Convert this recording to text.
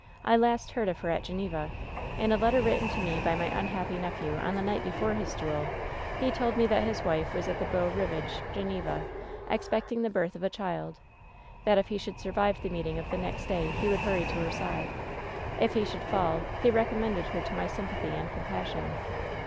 I last heard of her at Geneva. In a letter written to me by my un happy nephew on the night before his duel he told me that his wife was at the Beau Rivage, Greneva, expecting the birth of a child ; that if he should survive the meet ing of the next day he would hurry to her side. If he should fall, he recommended her to my sympathy and compassion.